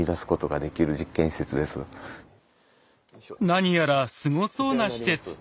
何やらすごそうな施設。